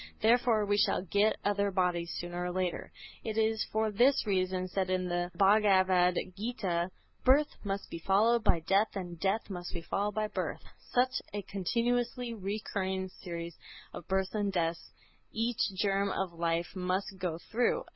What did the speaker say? Therefore we shall get other bodies, sooner or later. It is for this reason said in the "Bhagavad Gîtâ": "Birth must be followed by death and death must be followed by birth." Such a continuously recurring series of births and deaths each germ of life must go through.